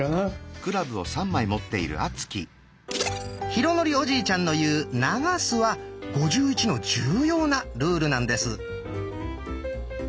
浩徳おじいちゃんのいう「流す」は「５１」の重要なルールなんです。